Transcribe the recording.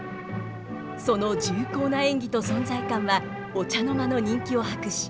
その重厚な演技と存在感はお茶の間の人気を博し